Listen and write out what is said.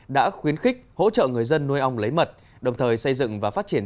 đã khuyến khích hỗ trợ người dân nuôi ong lấy mật đồng thời xây dựng và phát triển